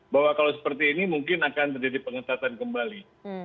bahwa kalau seperti ini mungkin akan terjadi pengetatan kembali